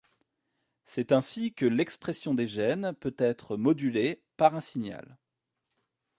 C'est ainsi que l'expression des gènes peut être modulée par un signal.